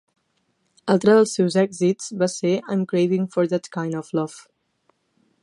Altre dels seus èxits va ser "I'm Cravin' for that Kind of Love".